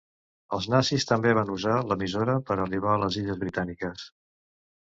Els nazis també van usar l'emissora per arribar a les illes britàniques.